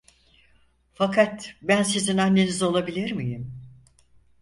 Fakat ben sizin anneniz olabilir miyim?